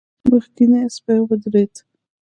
مخکينی سپی ودرېد.